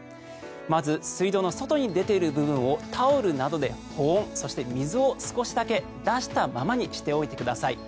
まず、水道の外に出ている部分をタオルなどで保温そして水を少しだけ出したままにしてください。